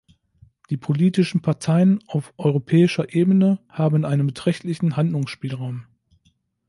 Die politischen Parteien auf europäischer Ebene haben einen beträchtlichen Handlungsspielraum.